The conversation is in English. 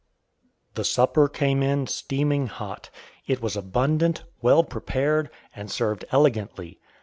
The supper came in steaming hot. It was abundant, well prepared, and served elegantly.